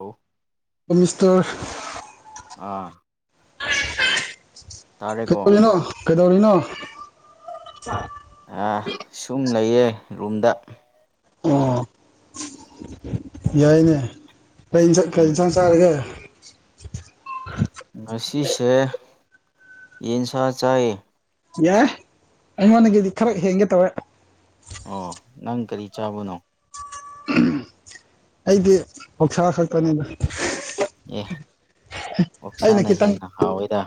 hello mister ꯑꯥ ꯇꯥꯔꯦꯀꯣ ꯀꯩꯗꯧꯔꯤꯅꯣ ꯀꯩꯗꯧꯔꯤꯅꯣ ꯑ ꯁꯨꯝ ꯂꯩꯌꯦ ꯔꯨꯝꯗ ꯑꯣ ꯌꯥꯏꯅꯦ ꯀꯩ ꯀꯩ ꯎꯝ ꯆ ꯆꯔꯒꯦ ꯉꯁꯤꯁꯦ ꯌꯦꯟꯁꯥ ꯆꯥꯏ ꯌꯥ ꯑꯃꯅꯤꯒꯗꯤ ꯈꯔꯒ ꯍꯒꯦ ꯇꯕ ꯑꯣ ꯅꯪ ꯀꯔꯤ ꯆꯥꯕꯅꯣ ꯑꯩꯗꯤ ꯍꯧꯁꯥ ꯈꯛꯇꯅꯤꯅ ꯑꯦ ꯑꯩꯅ ꯑꯣꯛꯁꯥꯅ ꯈꯤꯇꯪ ꯍꯦꯟꯅ ꯍꯥꯎꯋꯦꯗ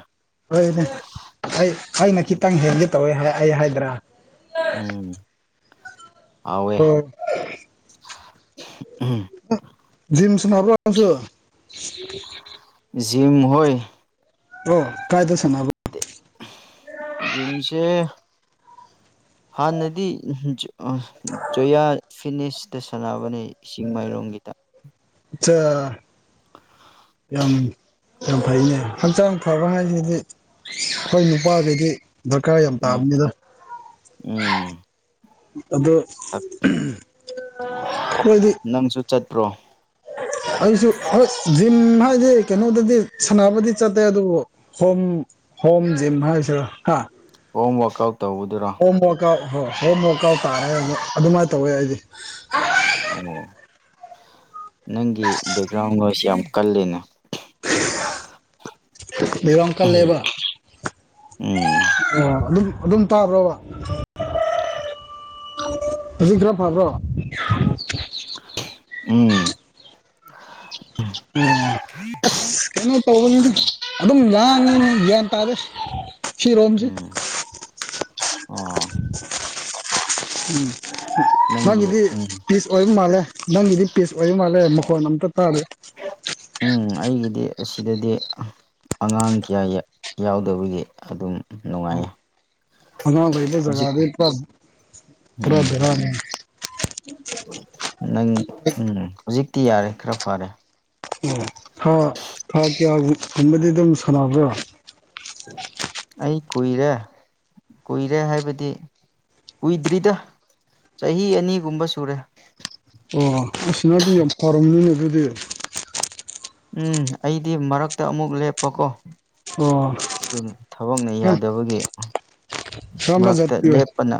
ꯍꯣꯏ ꯑꯩꯅ ꯈꯤꯇꯪ ꯍꯦꯜꯦꯞ ꯇꯧꯋꯦ ꯑꯩ ꯍꯥꯏꯗ꯭ꯔꯥ ꯎꯝ ꯑꯋꯦ ꯑꯣ ꯖꯤꯝꯁ ꯅꯕ꯭ꯔꯁꯨ ꯖꯤꯝ ꯍ ꯑꯣ ꯀꯥꯏ ꯇꯁꯅꯕ ꯖꯤꯝꯁꯦ [unintelligible] ꯍꯥꯟꯅꯗꯤ ꯖꯣꯌꯥ ꯐꯤꯅꯤꯁꯇ ꯁꯥꯟꯅꯕꯅꯦ ꯏꯁꯤꯡ ꯃꯥꯏꯔꯣꯡꯒꯤꯗ ꯆ ꯑꯝ ꯌꯥꯝ ꯐꯩꯅꯦ ꯍꯛꯆꯥꯡ ꯐꯕꯉꯥꯏꯁꯤꯗꯤ ꯑꯩꯈꯣꯏ ꯅꯨꯄꯥꯗꯗꯤ ꯗꯔꯀꯥꯔ ꯌꯥꯝ ꯎꯝ ꯇꯥꯕꯅꯤꯅ ꯎꯝ ꯑꯣ ꯑꯩꯈꯣꯏꯗꯤ ꯅꯪꯁꯨ ꯆꯠꯄ꯭ꯔꯣ ꯑꯩꯁꯨ ꯍꯣꯏ ꯖꯤꯝ ꯍꯥꯏꯗꯤ ꯀꯩꯅꯣꯗꯗꯤ ꯁꯥꯟꯅꯕꯗꯤ ꯆꯠꯇꯦ ꯑꯗꯨꯕꯨ ꯍꯣꯝ ꯍꯝ ꯖꯤ ꯍꯥꯏꯁ ꯍꯥ ꯍꯣꯝ ꯋꯥꯛꯥꯎ ꯍꯣꯝ ꯋꯥꯔꯛ ꯑꯥꯎꯠ ꯍꯣꯏ ꯍꯣꯝ ꯋꯥꯔꯛ ꯑꯥꯎꯠ ꯇꯥꯔ ꯑꯗꯨꯃꯥꯏꯅ ꯇꯧꯋꯦ ꯑꯩꯗꯤ ꯑꯣ ꯅꯪꯒꯤ ꯒ꯭ꯔꯥꯎꯁꯤ ꯌꯥꯝ ꯀꯜꯂꯤꯅꯦ ꯔꯪ ꯀꯥ ꯂꯩꯕ ꯎꯝ ꯑꯣ ꯑꯗꯨꯝ ꯑꯗꯨꯝ ꯇꯥꯕ꯭ꯔꯣꯕ ꯑꯗꯨꯖꯤ ꯈꯔ ꯐꯔꯕ꯭ꯔꯣ ꯎꯝ ꯑꯣ ꯑꯁ ꯀꯩꯅꯣ ꯇꯧꯕꯗꯤ ꯎꯝ ꯑꯗꯨꯝ ꯂ ꯭ꯌꯥꯟ ꯇꯥꯔꯦ ꯁꯤꯔꯣꯝꯁꯤ ꯎꯝ ꯑꯣ ꯎꯝ ꯅꯪꯒꯤ ꯅꯪꯒꯤꯗꯤ ꯎꯝ ꯄꯤꯁ ꯑꯣꯏꯕ ꯃꯥꯜꯂꯦ ꯅꯪꯒꯤꯗꯤ ꯄꯤꯁ ꯑꯣꯏꯕ ꯃꯥꯜꯂꯦ ꯃꯈꯣꯟ ꯑꯝꯇ ꯇꯥꯗ ꯎꯝ ꯑꯩꯒꯤꯗꯤ ꯑꯁꯤꯗꯗꯤ ꯑꯉꯥꯡ ꯀꯌꯥ ꯌꯥꯎꯗꯕꯒꯤ ꯑꯗꯨꯝ ꯅꯨꯡꯉꯥꯏꯌꯦ ꯑꯅ ꯍꯧꯖꯤꯛ ꯂꯩꯕꯨꯖꯒꯥꯗ ꯎꯝ ꯄꯔꯥꯗꯔꯥꯅꯦ ꯅꯪ ꯎꯝ ꯍꯧꯖꯤꯛꯇꯤ ꯌꯥꯔꯦ ꯈꯔ ꯐꯔꯦ ꯑꯣ ꯊꯥ ꯊꯥ ꯀꯌꯥꯒꯨꯝꯕꯗꯤ ꯑꯗꯨꯝ ꯁꯥꯟꯅꯕ꯭ꯔꯥ ꯑꯩ ꯀꯨꯏꯔꯦ ꯀꯨꯏꯔꯦ ꯍꯥꯏꯕꯗꯤ ꯀꯨꯏꯗ꯭ꯔꯤꯗ ꯆꯍꯤ ꯑꯅꯤꯒꯨꯝꯕ ꯁꯨꯔꯦ ꯑꯣ ꯑꯁꯤ ꯅꯗꯤ ꯌꯥꯝ ꯐꯔꯝꯅꯤꯅ ꯑꯗꯨꯗꯤ ꯎꯝ ꯑꯩꯗꯤ ꯃꯔꯛꯇ ꯑꯃꯨꯛ ꯂꯦꯞꯄꯀꯣ ꯑꯣ ꯑꯗꯨꯅ ꯊꯕꯛꯅ ꯑ ꯌꯥꯗꯕꯒꯤ ꯀꯔꯝꯕ ꯃꯔꯛꯇ ꯖꯥꯇꯤ ꯑꯣꯏ ꯂꯦꯞꯄꯅ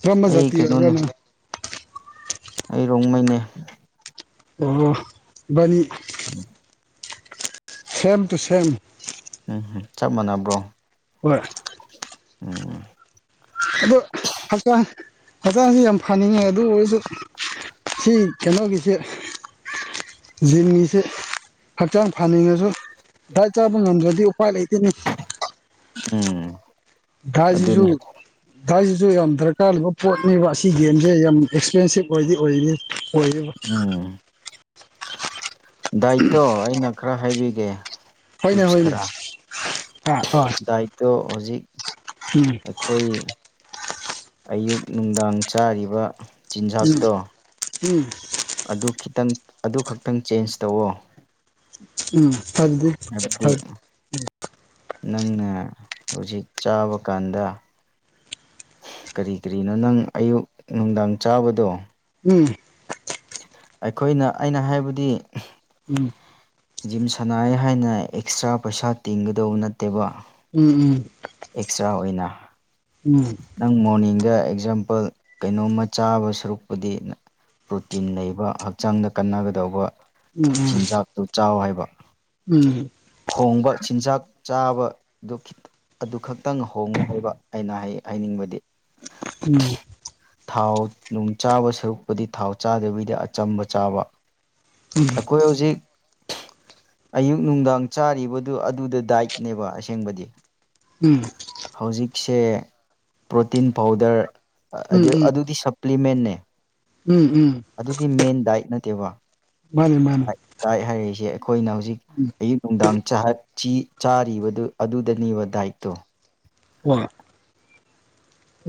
ꯀꯔꯝꯕ ꯑꯩ ꯖꯥꯇꯤ ꯑꯣꯏꯕ꯭ꯔꯥ ꯀꯩꯅꯣꯅꯦ ꯅꯪ ꯑꯩ ꯔꯣꯡꯃꯅꯦ ꯑꯣ ꯅꯤ ꯎꯝ ꯁꯦꯝꯦꯝ ꯇꯨ ꯁꯦꯝꯝ ꯎꯝ ꯆꯞ ꯃꯥꯟꯅꯕ꯭ꯔꯣ ꯍꯣꯏ ꯎꯝ ꯑꯗꯣ ꯍꯛꯆꯥꯡ ꯍꯛꯆꯥꯡꯁꯤ ꯌꯥꯝ ꯐꯅꯤꯡꯉꯦ ꯑꯗꯨ ꯑꯣꯏꯔꯁꯨ ꯁꯤ ꯀꯩꯅꯣꯒꯤꯁꯦ ꯦꯝꯒꯤꯁꯦ ꯍꯛꯆꯥꯡ ꯐꯅꯤꯡꯉꯁꯨ ꯗꯥꯏꯠ ꯆꯥꯕ ꯉꯝꯗ꯭ꯔꯗꯤ ꯎꯄꯥꯏ ꯂꯩꯇꯅꯤ ꯎꯝ ꯁꯤꯁꯨ ꯑꯗꯨꯅꯦ ꯗꯥꯏꯁꯤꯁꯨ ꯌꯥꯝ ꯗꯔꯀꯥꯔ ꯂꯩꯕ ꯄꯣꯠꯅꯦꯕ ꯑꯁꯤ ꯒꯦꯝꯁꯦ ꯌꯥꯝ ꯑꯦꯛꯁꯄꯦꯟꯁꯤꯞ ꯑꯣꯏꯗꯤ ꯑꯣꯏꯔꯤ ꯑꯣꯏꯌꯦꯕ ꯎꯝ ꯗꯥꯏꯇꯣ ꯑꯩꯅ ꯈꯔ ꯍꯥꯏꯕꯤꯒꯦ ꯍꯅꯦ ꯇꯤꯞꯁ ꯍꯣꯏꯅꯦ ꯈꯔ ꯍꯥ ꯗꯥꯏꯠꯇꯣ ꯍꯧꯖꯤꯛ ꯎꯝ ꯑꯩꯈꯣꯏ ꯑꯌꯨꯛ ꯅꯨꯡꯗꯥꯡ ꯆꯥꯔꯤꯕ ꯎꯝ ꯆꯤꯟꯖꯥꯛꯇꯣ ꯎꯝ ꯑꯗꯨ ꯈꯤꯇꯪ ꯑꯗꯨ ꯈꯛꯇꯪ ꯆꯦꯟꯖ ꯇꯧꯑꯣ ꯎꯝ ꯐꯗꯤ ꯐ ꯅꯪꯅ ꯍꯧꯖꯤꯛ ꯆꯥꯕ ꯀꯥꯟꯗ ꯀꯔꯤ ꯀꯔꯤꯅꯣ ꯅꯪ ꯑꯌꯨꯛ ꯅꯨꯡꯗꯥꯡ ꯆꯥꯕꯗꯣ ꯎꯝ ꯑꯩꯈꯣꯏꯅ ꯑꯩꯅ ꯍꯥꯏꯕꯗꯤ ꯎꯝ ꯖꯤꯝ ꯁꯥꯟꯅꯩ ꯍꯥꯏꯅ ꯑꯦꯛꯁꯇ꯭ꯔꯥ ꯄꯩꯁꯥ ꯇꯤꯡꯒꯗꯧꯕ ꯅꯠꯇꯦꯕ ꯎꯝ ꯎꯝ ꯑꯦꯛꯁꯇ꯭ꯔꯥ ꯑꯣꯏꯅ ꯎꯝ ꯅꯪ ꯃꯣꯔꯅꯤꯡꯗ ꯑꯦꯛꯖꯥꯝꯄꯜ ꯀꯩꯅꯣꯝꯃ ꯆꯥꯕ ꯁꯔꯨꯛꯄꯨꯗꯤ ꯄ꯭ꯔꯣꯇꯤꯟ ꯂꯩꯕ ꯍꯛꯆꯥꯡꯗ ꯀꯟꯅꯒꯗꯧꯕ ꯎꯝ ꯆꯤꯟꯖꯥꯛꯇꯨ ꯆꯥꯎ ꯍꯥꯏꯕ ꯎꯝ ꯈꯣꯡꯕ ꯆꯤꯟꯖꯥꯛ ꯆꯥꯕꯗꯨꯈꯤ ꯑꯗꯨ ꯈꯛꯇꯪ ꯍꯣꯡꯉꯨ ꯍꯥꯏꯕ ꯑꯩꯅ ꯍꯥꯏꯅꯤꯡꯕꯗꯤ ꯎꯝ ꯊꯥꯎ ꯅꯨꯡ ꯆꯥꯕ ꯁꯔꯨꯛꯄꯗꯤ ꯊꯥꯎ ꯆꯥꯗꯕꯤꯗ ꯑꯆꯝꯕ ꯆꯥꯕ ꯑꯩꯈꯣꯏ ꯍꯧꯖꯤꯛ ꯑꯌꯨꯛ ꯅꯨꯡꯗꯥꯡ ꯆꯥꯔꯤꯕꯗꯨ ꯑꯗꯨꯗ ꯗꯥꯏꯠꯅꯦꯕ ꯑꯁꯦꯡꯕꯗꯤ ꯎꯝ ꯍꯧꯖꯤꯛꯁꯦ ꯄ꯭ꯔꯣꯇꯤꯟ ꯄꯥꯎꯗꯔ ꯎꯝ ꯎꯝ ꯑꯗꯨꯗꯤ ꯁꯄ꯭ꯂꯤꯃꯦꯟꯅꯦ ꯎꯝ ꯎꯝ ꯑꯗꯨꯗꯤ ꯃꯦꯟ ꯗꯥꯏꯠ ꯅꯠꯇꯦꯕ ꯃꯥꯅꯤ ꯃꯥꯅꯤ ꯗꯥꯏꯠ ꯍꯥꯏꯔꯤꯁꯦ ꯑꯩꯈꯣꯏꯅ ꯍꯧꯖꯤꯛ ꯎꯝ ꯑꯌꯨꯛ ꯅꯨꯡꯗꯥꯡ ꯆꯍ ꯆ ꯆꯥꯔꯤꯕꯗꯨ ꯑꯗꯨꯗꯅꯤꯕ ꯗꯥꯏꯠꯇꯣ ꯋꯥ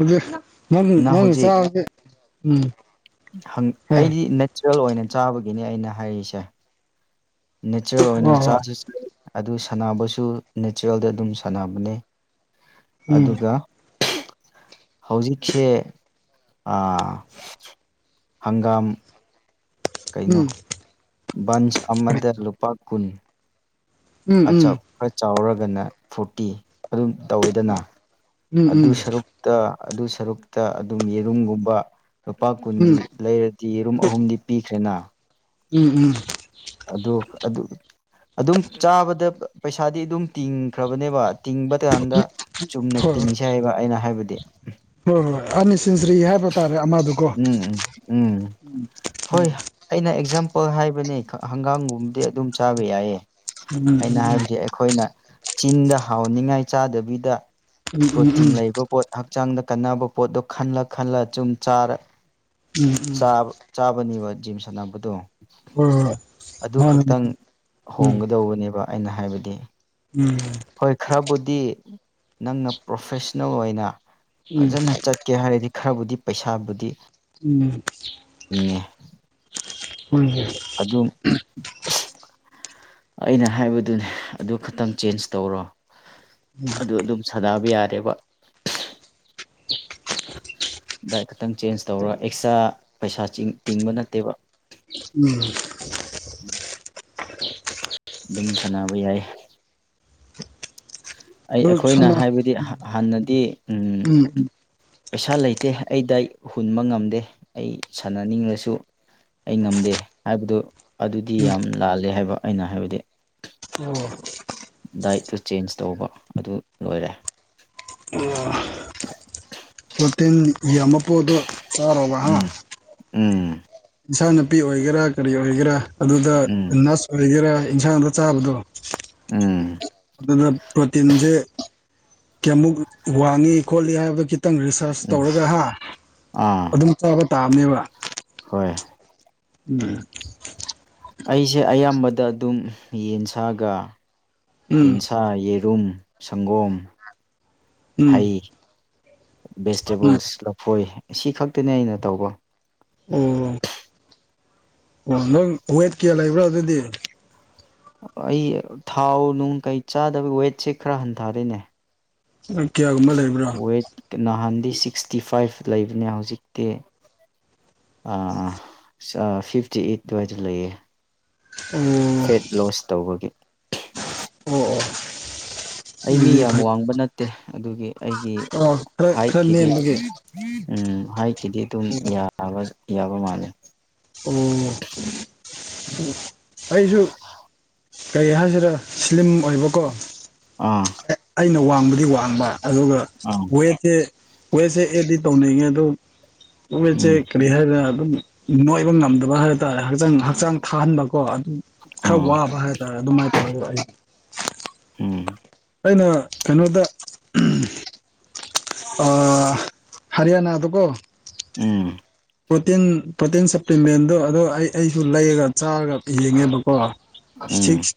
ꯑꯗꯨꯪ ꯅꯪ ꯆ ꯎꯝ ꯪ ꯍꯣꯏ ꯑꯩꯗꯤ ꯅꯦꯆꯔꯦꯜ ꯑꯣꯏꯅ ꯆꯥꯕꯒꯤꯅꯦ ꯑꯩꯅ ꯍꯥꯏꯔꯤꯁꯦ ꯅꯦꯆꯔꯦꯜ ꯑꯣꯏꯅ ꯍꯣꯏ ꯍꯣꯏ ꯆꯥꯁꯤ ꯑꯗꯨ ꯁꯥꯟꯅꯕꯁꯨ ꯅꯦꯆꯔꯦꯜꯗ ꯑꯗꯨꯝ ꯁꯥꯟꯅꯕꯅꯤ ꯎꯝ ꯑꯗꯨꯒ [unintelligible] ꯍꯧꯖꯤꯛꯁꯦ ꯍꯪꯒꯥꯝ ꯀꯩꯅꯣ ꯎꯝ ꯕꯟꯁ ꯑꯃꯗ ꯂꯨꯄꯥ ꯀꯨꯟ ꯎꯝ ꯑꯆꯥꯞꯄꯔ ꯆꯥꯎꯔꯒꯅ ꯐꯣꯔꯇꯤ ꯑꯗꯨꯝ ꯇꯧꯋꯤꯗꯅ ꯎꯝ ꯎꯝ ꯑꯗꯨ ꯎꯝ ꯁꯔꯨꯛꯇ ꯑꯗꯨ ꯁꯔꯨꯛꯇ ꯑꯗꯨꯝ ꯌꯦꯔꯨꯝꯒꯨꯝꯕ ꯂꯨꯄꯥ ꯎꯝ ꯀꯨꯟꯒꯤ ꯂꯩꯔꯗꯤ ꯔꯨꯝ ꯑꯍꯨꯝꯗꯤ ꯄꯤꯈ꯭ꯔꯦꯅ ꯎꯝ ꯎꯝ ꯑ ꯑꯗꯨꯝ ꯆꯥꯕꯗ ꯄꯩꯁꯥꯗꯤ ꯑꯗꯨꯝ ꯇꯤꯡꯈ꯭ꯔꯕꯅꯦꯕ ꯇꯤꯡꯕ ꯀꯥꯟꯗ ꯆꯨꯝꯅ ꯍꯣꯏ ꯍꯣꯏ ꯇꯤꯡꯁꯤ ꯍꯥꯏꯕ ꯑꯩꯅ ꯍꯥꯏꯕꯗꯤ ꯍꯣꯏ ꯍꯣꯏ ꯑꯅꯤ ꯁꯤꯟꯁ꯭ꯔꯤ ꯍꯥꯏꯕꯇꯥꯔ ꯎꯝ ꯎꯝ ꯎꯝꯝ ꯍꯣꯏ ꯑꯩꯅ ꯑꯦꯛꯖꯥꯝ ꯄ ꯍꯥꯏꯕꯅꯤ ꯍꯪꯒꯥꯝꯒꯨꯝꯕꯗꯤ ꯑꯗꯨꯝ ꯆꯥꯕ ꯌꯥꯏꯌꯦ ꯎꯝ ꯎꯝ ꯑꯩꯅ ꯎꯝ ꯍꯥꯏꯕꯗꯤ ꯑꯩꯈꯣꯏꯅ ꯆꯤꯟꯗ ꯍꯥꯎꯅꯤꯉꯥꯏ ꯆꯥꯗꯕꯤꯗ ꯎꯝ ꯎꯝ ꯄ꯭ꯔꯣꯇꯤꯟ ꯎꯝ ꯂꯩꯕ ꯄꯣꯠ ꯍꯛꯆꯥꯡꯗ ꯀꯟꯅꯕ ꯄꯣꯠꯇꯣ ꯈꯜꯂ ꯈꯜꯂ ꯆꯨꯝ ꯆꯥꯔ ꯎꯝ ꯎꯝ ꯆꯥꯕꯅꯦꯕ ꯖꯤꯝ ꯁꯥꯟꯅꯕꯗꯣ ꯍꯣꯏ ꯍꯣꯏ ꯑꯗꯨ ꯃꯥꯅꯤ ꯈꯛꯇꯪ ꯃꯥꯅꯤ ꯎꯝ ꯍꯣꯡꯒꯗꯧꯕꯅꯦꯕ ꯑꯩꯅ ꯍꯥꯏꯕꯗꯤ ꯍꯣꯏ ꯈꯔꯕꯨꯗꯤ ꯅꯪꯅ ꯄ꯭ꯔꯣꯐꯦꯁꯅꯦꯜ ꯑꯣꯏꯅ ꯎꯝ ꯎꯝ ꯐꯖꯅ ꯆꯠꯀꯦ ꯍꯥꯏꯔꯗꯤ ꯈꯔꯕꯨꯗꯤ ꯄꯩꯁꯥꯕꯨꯗꯤ ꯎꯝ ꯏꯟꯅ ꯍ ꯍ ꯑꯗꯨꯝ ꯑꯩꯅ ꯍꯥꯏꯕꯗꯨꯅꯦ ꯑꯗꯨ ꯈꯛꯇꯪ ꯆꯦꯟꯖ ꯇꯧꯔꯣ ꯑꯗꯨ ꯑꯗꯨꯝ ꯁꯥꯟꯅꯕ ꯌꯥꯔꯦꯕ ꯗꯥꯏꯠ ꯈꯛꯇꯪ ꯆꯦꯟꯖ ꯇꯧꯔ ꯑꯦꯛꯁꯇ꯭ꯔꯥ ꯄꯩꯁꯥ ꯇꯤꯡꯕ ꯅꯠꯇꯦꯕ ꯎꯝ ꯎꯝ ꯑꯗꯨꯝ ꯁꯥꯟꯅꯕ ꯌꯥꯏ ꯑꯩ ꯑꯗꯨ ꯑꯩꯈꯣꯏꯅ ꯁꯅꯥ ꯍꯥꯏꯕꯗꯤ ꯍꯥꯟꯅꯗꯤ ꯎ ꯎꯝ ꯄꯩꯁꯥ ꯂꯩꯇꯦ ꯑꯩꯗ ꯑꯩ ꯍꯨꯟꯕ ꯉꯝꯗꯦ ꯑꯩ ꯁꯥꯟꯅꯅꯤꯡꯂꯁꯨ ꯑꯩ ꯉꯝꯗꯦ ꯍꯥꯏꯕꯗꯨ ꯑꯗꯨꯗꯤ ꯌꯥꯝ ꯂꯥꯜꯂꯦ ꯍꯥꯏꯕ ꯑꯩꯅ ꯍꯥꯏꯕꯗꯤ ꯑꯣ ꯗꯥꯏꯠꯇꯨ ꯆꯦꯟꯖ ꯇꯧꯕ ꯑꯗꯨ ꯂꯣꯏꯔꯦ ꯄꯣꯇꯤꯟ ꯌꯥꯝ ꯃꯄꯨꯗꯣ ꯇꯥꯔꯕ ꯎꯝ ꯎꯝ ꯏꯟꯁꯥꯡ ꯅꯥꯄꯤ ꯑꯣꯏꯒꯦꯔꯥ ꯀꯔꯤ ꯑꯣꯏꯒꯦꯔꯥ ꯑꯗꯨꯗ ꯎꯝ ꯅꯁ ꯑꯣꯏꯒꯦꯔꯥ ꯏꯟꯁꯥꯡꯗ ꯆꯥꯕꯗꯣ ꯎꯝ ꯑꯗꯨ ꯄ꯭ꯔꯣꯇꯤꯟꯁꯦ ꯀꯃꯨꯛ ꯋꯥꯅꯤ ꯏꯈꯣꯂꯤꯌꯥ ꯍꯥꯏꯕ ꯈꯤꯇꯪ ꯔꯤꯁꯥꯔꯁ ꯎꯝ ꯇꯧꯔꯒ ꯍꯥ ꯑꯥ ꯑꯗꯨꯝ ꯆꯥꯕ ꯇꯥꯕꯅꯦꯕ ꯍꯣꯏ ꯎꯝ ꯑꯩꯁꯦ ꯑꯌꯥꯝꯕꯗ ꯑꯗꯨꯝ ꯌꯦꯟꯁꯥꯒ ꯎꯝ ꯌꯦꯟꯁꯥ ꯌꯦꯔꯨꯝ ꯁꯪꯒꯣꯝ ꯎꯝ ꯍꯩ ꯎꯝ ꯚꯦꯖꯤꯇꯦꯕꯜꯁ ꯂꯐꯣꯏ ꯑꯁꯤ ꯈꯛꯇꯅꯤ ꯑꯩꯅ ꯇꯧꯕ ꯎꯝ ꯑꯣ ꯅꯪ ꯋꯦꯠ ꯀꯌꯥ ꯂꯩꯕ꯭ꯔꯣ ꯑꯗꯨꯗꯤ ꯑꯩ ꯊꯥꯎ ꯅꯨꯡ ꯀꯩ ꯆꯥꯗꯕ ꯋꯦꯠꯁꯦ ꯈꯔ ꯍꯟꯊꯔꯤꯅꯦ ꯀꯌꯥꯒꯨꯝꯕ ꯂꯩꯕ꯭ꯔꯥ ꯋꯦꯠ ꯅꯍꯥꯟꯗꯤ ꯁꯤꯛꯁꯇꯤ ꯐꯥꯏꯚ ꯂꯩꯕꯅꯦ ꯍꯧꯖꯤꯛꯇꯤ ꯐꯤꯐꯇꯤ ꯑꯩꯠ ꯑꯗꯨꯋꯥꯏꯗ ꯂꯩꯌꯦ ꯑꯣ ꯐꯦꯠ ꯂꯣꯁ ꯇꯧꯕꯒꯤ ꯑꯣ ꯑꯣ ꯑꯩ ꯃꯤ ꯑꯗꯨꯗꯤ ꯌꯥꯝ ꯐꯩ ꯋꯥꯡꯕ ꯅꯠꯇꯦ ꯑꯗꯨꯒꯤ ꯑꯩꯒꯤ ꯑ ꯈꯔ ꯈꯔ ꯍꯥꯏꯠꯀꯤꯗꯤ ꯅꯦꯝꯕꯒꯤ ꯎꯝ ꯍꯥꯏꯈꯤꯗꯤ ꯑꯗꯨꯝꯕ ꯌꯥꯕ ꯃꯥꯜꯂꯦ ꯑꯣ ꯀꯩ ꯍꯥꯏꯁꯤꯔ ꯁ꯭ꯂꯤꯝ ꯑꯣꯏꯕꯀꯣ ꯑꯥ ꯑꯩꯅ ꯋꯥꯡꯕꯗꯤ ꯋꯥꯡꯕ ꯑꯗꯨꯒ ꯑꯥ ꯋꯦꯠꯁꯦ ꯋꯦꯠꯁꯦ ꯑꯦꯗꯤ ꯇꯧꯅꯤꯡꯉꯦ ꯑꯗꯨ ꯀꯋꯦꯁꯦ ꯎꯝ ꯀꯔꯤ ꯍꯥꯏꯗꯅ ꯑꯗꯨꯝ ꯅꯣꯏꯕ ꯉꯝꯗꯕ ꯍꯥꯏꯕ ꯇꯔꯦ ꯍꯛꯆꯥꯡ ꯍꯛꯆꯥꯡ ꯊꯥꯍꯟꯕ ꯀꯣ ꯑꯗꯨꯝ ꯈꯔ ꯑꯥ ꯋꯥꯕ ꯍꯥꯏꯇꯥꯔꯦ ꯑꯗꯨꯃꯥꯏꯅ ꯇꯧꯔꯦꯗ ꯑꯩ ꯍꯝ ꯑꯩꯅ ꯑ ꯍꯔꯤꯌꯥꯅꯥ ꯇ ꯀꯣ ꯎꯝ ꯄ꯭ꯔꯣꯇꯤꯟ ꯄ꯭ꯔꯣꯇꯤꯟ ꯁꯄ꯭ꯂꯤꯃꯦꯟꯗꯣ ꯑꯗꯣ ꯑꯩ ꯑꯩꯁꯨ ꯂꯩꯔꯒ ꯆꯥꯔꯒ ꯌꯦꯡꯉꯦꯕꯀꯣ ꯎꯝ six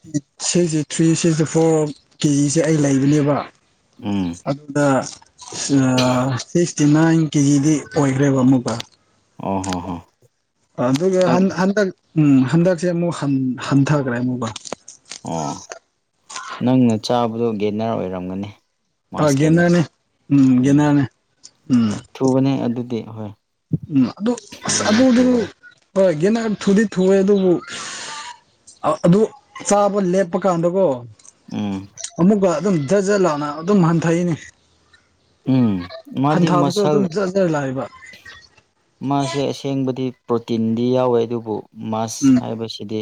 sixty three sixty four ꯀꯦꯖꯤꯁꯦ ꯑꯩ ꯂꯩꯕꯅꯦꯕ ꯎꯝ ꯑꯗ ꯁꯤꯛꯁꯇꯤ ꯅꯥꯏꯟ ꯀꯦꯖꯤꯗꯤ ꯑꯣꯏꯈ꯭ꯔꯦꯕ ꯑꯃꯨꯛꯀ ꯑꯣ ꯍꯣ ꯍꯣ ꯑꯗꯨ ꯅꯪ ꯍꯟ ꯍꯟꯗ ꯎꯝ ꯍꯟꯗꯛꯁꯦ ꯑꯃꯨꯛ ꯍꯟꯊꯈ꯭ꯔꯦ ꯑꯃꯨꯕ ꯑꯣ ꯅꯪꯅ ꯆꯥꯕꯗꯣ ꯒꯦꯅꯔ ꯑꯣꯏꯔꯝꯒꯅꯤ ꯃꯥꯁꯀꯤꯅ ꯒꯦꯟꯅꯔꯅꯦ ꯎꯝ ꯒꯦꯟꯅꯔꯅꯦ ꯎꯝ ꯊꯨꯕꯅꯦ ꯑꯗꯨꯗꯤ ꯍꯣꯏ ꯎꯝ ꯑꯗꯨ ꯑꯁ ꯒꯦꯟꯅꯔ ꯑꯗꯨꯗꯨ ꯊꯨꯕꯅꯦ ꯍꯣꯏ ꯦꯅ ꯊꯨꯗꯤ ꯊ ꯊꯣꯛꯑꯦ ꯑꯗꯨꯕꯨ ꯑꯗꯨ ꯆꯥꯕ ꯂꯦꯞꯄ ꯀꯥꯟꯗꯀꯣ ꯎꯝ ꯑꯃꯨꯛꯀ ꯑꯗꯨꯝ ꯖꯠ ꯖꯠ ꯂꯥꯞꯅ ꯑꯗꯨꯝ ꯍꯟꯊꯩꯅꯦ ꯎꯝ ꯃꯥꯗꯤ ꯃꯁꯜ ꯖꯠ ꯖꯠ ꯂꯥꯛꯑꯦꯕ ꯃꯥꯁꯦ ꯑꯁꯦꯡꯕꯗꯤ ꯄ꯭ꯔꯣꯇꯤꯟꯗꯤ ꯌꯥꯎꯋꯦ ꯑꯗꯨꯕꯨ ꯃꯥꯁ ꯎꯝ ꯍꯥꯏꯕꯁꯤꯗꯤ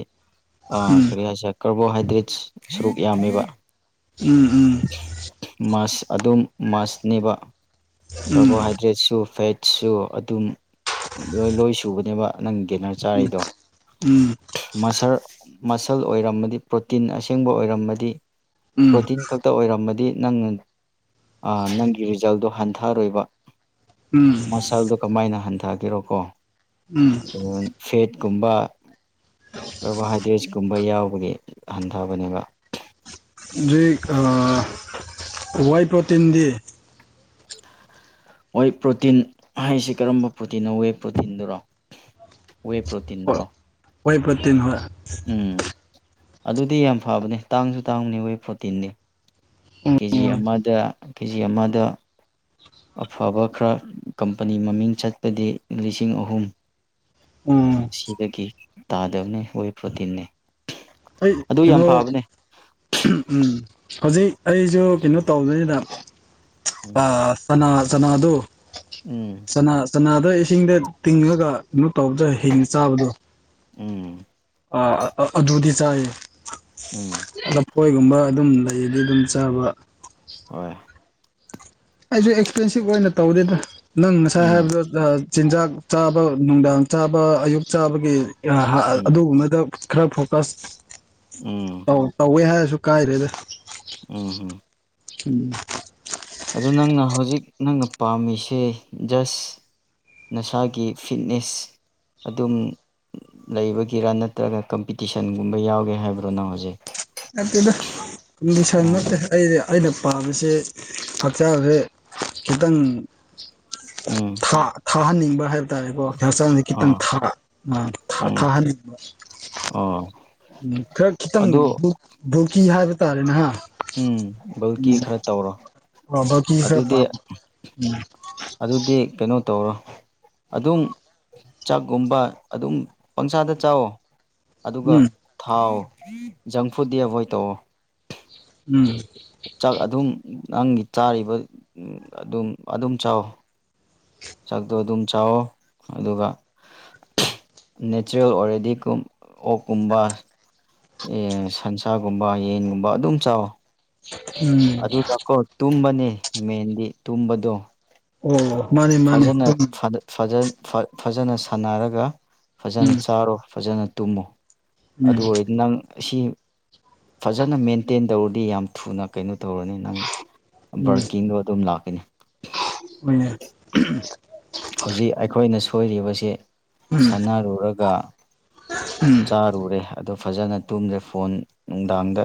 ꯎꯝ ꯀꯔꯤ ꯍꯥꯏꯁꯦ ꯀꯥꯔꯕꯣꯍꯥꯏꯗ꯭ꯔꯦꯠꯁ ꯁꯔꯨꯛ ꯌꯥꯝꯃꯤꯕ ꯎꯝ ꯎꯝ ꯑꯗꯨꯝ ꯃꯁꯅꯦꯕ ꯎꯝ ꯀꯥꯔꯕꯣꯍꯥꯏꯗ꯭ꯔꯦꯠꯁꯨ ꯐꯦꯠ ꯁꯨ ꯑꯗꯨꯝ ꯂꯣꯏ ꯂꯣꯏ ꯁꯨꯕꯅꯦꯕ ꯅꯪ ꯒꯦꯅꯔ ꯆꯥꯔꯤꯗꯣ ꯎꯝ ꯎꯝ ꯃꯁꯔ ꯃꯁꯜ ꯑꯣꯏꯔꯝꯃꯗꯤ ꯄ꯭ꯔꯣꯇꯤꯟ ꯑꯁꯦꯡꯕ ꯑꯣꯏꯔꯝꯃꯗꯤ ꯎꯝ ꯑꯃꯗꯤ ꯅꯪꯅ ꯅꯪꯒꯤ ꯔꯤꯖꯜꯗꯣ ꯍꯟꯊꯔꯣꯏꯕ ꯎꯝ ꯃꯁꯜꯗꯣ ꯀꯃꯥꯏꯅ ꯍꯟꯊꯒꯦꯔꯣꯀꯣ ꯎꯝ ꯐꯦꯠ ꯀꯨꯝꯕ ꯀꯥꯔꯕꯣꯍꯥꯏꯗ꯭ꯔꯦꯠꯁ ꯀꯨꯝꯕ ꯌꯥꯎꯕꯒꯤ ꯍꯟꯊꯕꯅꯦꯕ ꯣꯏ ꯋꯥꯏꯨ ꯄ꯭ꯔꯣꯇꯤꯟ ꯗ ꯍꯣꯏ ꯄ꯭ꯔꯣꯇꯤꯟ ꯍꯥꯏꯁꯦ ꯀꯔꯝꯕ ꯄ꯭ꯔꯣꯇꯤꯟ ꯂꯧꯋꯦ ꯄ꯭ꯔꯣꯇꯤꯟꯗꯨꯔꯣ ꯋꯦ ꯄ꯭ꯔꯇꯗ꯭ꯔ ꯍꯣꯏ ꯄ꯭ꯔꯣꯇꯤꯟ ꯍꯣꯏ ꯑꯗꯨꯗꯤ ꯌꯥꯝ ꯐꯕꯅꯤ ꯇꯥꯡꯁꯨ ꯇꯥꯡꯕꯅꯤ ꯋꯦ ꯐꯣꯔꯇꯤꯟꯅꯤ ꯀꯦꯖꯤ ꯎꯝ ꯑꯃꯗ ꯀꯦ ꯖꯤ ꯑꯃꯗ ꯑꯐꯕ ꯈꯔ ꯀꯝꯄꯅꯤ ꯃꯃꯤꯡ ꯆꯠꯄꯗꯤ ꯂꯤꯁꯤꯡ ꯑꯍꯨꯝ ꯎꯝ ꯑꯁꯤꯗꯒꯤ ꯇꯥꯗꯕꯅꯤ ꯍꯣꯏ ꯄ꯭ꯔꯣꯇꯤꯟꯅꯅꯤ ꯑꯩꯩꯅꯣ ꯎꯝ ꯍꯧꯖꯤꯛ ꯑꯩꯁꯨ ꯀꯩꯅꯣ ꯇꯧꯗꯩꯗ ꯎꯝ ꯆꯅꯥꯗ ꯎꯝ ꯁꯅꯥ ꯁꯅꯥ ꯑꯗ ꯏꯁꯤꯡꯗ ꯇꯤꯡꯉꯒ ꯀꯩꯅꯣ ꯇꯧꯕꯗ ꯍꯤꯡꯉ ꯆꯥꯕꯗꯣ ꯎꯝ ꯑ ꯑꯗꯨꯗꯤ ꯆꯥꯏꯌꯦ ꯎꯝ ꯀꯣꯏꯒꯨꯝꯕ ꯑꯗꯨꯝꯕꯗꯤ ꯑꯗꯨꯝ ꯆꯥꯕ ꯍꯣꯏ ꯑꯩꯁꯨ ꯑꯦꯛꯁꯄꯦꯟꯁꯤꯞ ꯑꯣꯏꯅ ꯇꯧꯗꯦꯗꯥ ꯅꯪ ꯉꯁꯥꯏ ꯎꯝ ꯍꯥꯏꯕꯗ ꯆꯤꯟꯖꯥꯛ ꯆꯥꯕ ꯅꯨꯡꯗꯥꯡ ꯆꯥꯕ ꯑꯌꯨꯛ ꯆꯥꯕꯒꯤ ꯎꯝ ꯑꯗꯨꯒꯨꯝꯕꯗ ꯈꯔ ꯐꯣꯀꯁ ꯎꯝ ꯇꯧꯋꯦ ꯍꯥꯏꯔꯁꯨ ꯀꯥꯏꯔꯦꯗ ꯎꯝ ꯎꯝ ꯎꯝ ꯑꯗꯨ ꯅꯪꯅ ꯍꯧꯖꯤꯛ ꯅꯪꯅ ꯄꯥꯝꯃꯤꯁꯦ ꯖꯁ ꯅꯁꯥꯒꯤ ꯐꯤꯠꯅꯦꯁ ꯑꯗꯨꯝ ꯂꯩꯕꯒꯤꯔꯥ ꯅꯠꯇ꯭ꯔꯒ ꯀꯝꯄꯤꯇꯤꯁꯟꯒꯨꯝꯕ ꯌꯥꯎꯒꯦ ꯍꯥꯏꯕ꯭ꯔꯣ ꯅꯪ ꯍꯧꯖꯤꯛ ꯅꯠꯇ‌ꯦꯗ ꯀꯝꯕꯤꯁꯟ ꯎꯝ ꯅꯠꯇ‌ꯦ ꯑꯩꯗꯤ ꯑꯩꯅ ꯄꯥꯝꯃꯤꯁꯦ ꯍꯛꯆꯁꯦ ꯈꯤꯇꯪ ꯎꯝ ꯊꯥ ꯊꯥꯍꯟꯅꯤꯡꯕ ꯍꯥꯏꯕ ꯇꯥꯔꯦꯀꯣ ꯍꯛꯆꯥꯡꯁ ꯈꯤꯇꯪ ꯑꯥ ꯊꯥ ꯑ ꯊꯥ ꯎꯝ ꯊꯥꯍꯟꯅꯤꯡ ꯑꯣ ꯎꯝ ꯈꯔ ꯈꯤꯇꯪ ꯑꯗꯨ ꯕꯨꯀꯤ ꯍꯥꯏꯕ ꯇꯥꯔꯦꯅ‌ꯩ ꯍꯥ ꯎꯝ ꯕꯜꯀꯤ ꯈꯔ ꯇꯧꯔꯣ ꯎꯝ ꯕꯀꯤ ꯈꯔ ꯑꯗꯨꯗꯤ ꯄꯝ ꯎꯝ ꯑꯗꯨꯗꯤ ꯀꯩꯅꯣ ꯇꯧꯔꯣ ꯑꯗꯨꯝ ꯆꯥꯛꯀꯨꯝꯕ ꯑꯗꯨꯝ ꯄꯪꯆꯥꯗ ꯆꯥꯋꯣ ꯑꯗꯨꯒ ꯎꯝ ꯊꯥꯎ ꯖꯪ ꯐꯨꯗꯤ ꯑꯦꯕꯣꯏꯠ ꯇꯧꯑꯣ ꯎꯝ ꯆꯥꯛ ꯑꯗꯨꯝ ꯅꯪ ꯆꯥꯔꯤꯕ ꯑꯗꯨꯝ ꯑꯗꯨꯝ ꯆꯥꯎ ꯆꯥꯛꯇꯣ ꯑꯗꯨꯝ ꯆꯥꯑꯣ ꯑꯗꯨꯒ ꯅꯦꯆꯔꯦꯜ ꯑꯣꯏꯔꯦꯗꯤ ꯀꯨꯝ ꯑꯣꯛꯀꯨꯝꯕ ꯑꯦ ꯁꯟꯁꯥꯒꯨꯝꯕ ꯌꯦꯟꯒꯨꯝꯕ ꯑꯗꯨꯝ ꯆꯥꯎꯋ ꯎꯝ ꯑꯗꯨꯗꯀꯣ ꯇꯨꯝꯕꯅꯤ ꯃꯦꯟꯗꯤ ꯇꯨꯝꯕꯗꯣ ꯑꯣ ꯃꯥꯅꯦ ꯃꯥꯅꯦ ꯐꯖꯅ ꯎꯝ ꯐ ꯐꯖꯟ ꯐ ꯐꯖꯅ ꯁꯥꯟꯅꯔꯒ ꯎꯝ ꯐꯖꯅ ꯆꯥꯔꯣ ꯐꯖꯅ ꯇꯨꯝꯃꯣ ꯎꯝ ꯎꯝ ꯑꯗꯨ ꯑꯣꯏꯔꯗꯤ ꯅꯪ ꯁꯤ ꯐꯖꯅ ꯃꯦꯟꯇꯦꯟ ꯇꯧꯔꯗꯤ ꯌꯥꯝ ꯊꯨꯅ ꯀꯩꯅꯣ ꯇꯧ ꯇꯧꯔꯅꯤ ꯅꯪ ꯕꯔꯀꯤꯡꯗꯣ ꯑꯗꯨꯝ ꯂꯥꯛꯀꯅꯤ ꯎꯝ ꯍꯧꯖꯤꯛ ꯑꯩꯈꯣꯏꯅ ꯁꯣꯏꯔꯤꯕꯁꯤ ꯁꯥꯟꯅꯔꯨꯔꯒ ꯆꯥꯔꯨꯔꯦ ꯑꯗꯨ ꯐꯖꯅ ꯇꯨꯝꯗ꯭ꯔꯦ ꯐꯣꯟ ꯅꯨꯡꯗꯥꯡꯗ